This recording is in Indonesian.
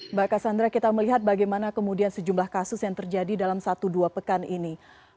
mbak cassandra kita melihat bagaimana kemudian sejumlah kasus yang terjadi dalam satu dua pekan ini